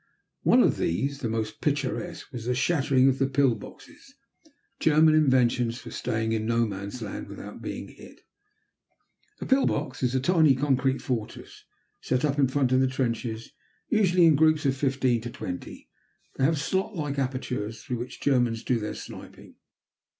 One of these, the most picturesque, was the shattering of the "pill boxes," German inventions for staying in No Man's Land without being hit. A "pill box" is a tiny concrete fortress, set up in front of the trenches, usually in groups of fifteen to twenty. They have slot like apertures, through which Germans do their sniping.